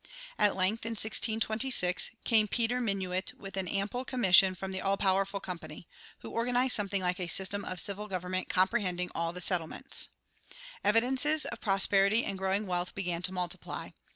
At length, in 1626, came Peter Minuit with an ample commission from the all powerful Company, who organized something like a system of civil government comprehending all the settlements. Evidences of prosperity and growing wealth began to multiply.